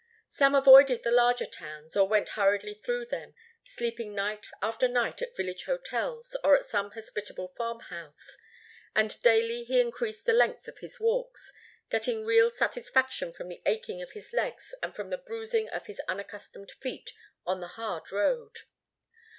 Sam avoided the larger towns or went hurriedly through them, sleeping night after night at village hotels or at some hospitable farmhouse, and daily he increased the length of his walks, getting real satisfaction from the aching of his legs and from the bruising of his unaccustomed feet on the hard road.